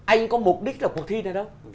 anh có mục đích là cuộc thi này đâu